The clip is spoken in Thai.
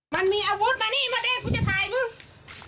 มันมีอัตโฟธมานี่มาด้งกูจะถ่ายเมื่อ